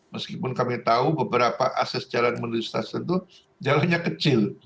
meskipun kami tahu beberapa akses jalan menuju stasiun itu jauhnya kecil